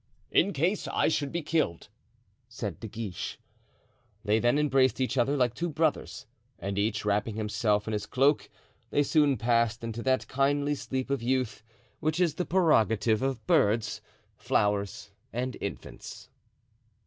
"In case I should be killed," said De Guiche. They then embraced each other like two brothers, and each wrapping himself in his cloak they soon passed into that kindly sleep of youth which is the prerogative of birds, flowers and infants.